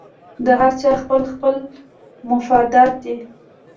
د هر چا خپل خپل مفادات دي